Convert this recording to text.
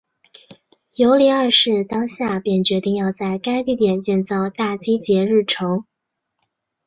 尤里二世当下便决定要在该地点建造大基捷日城。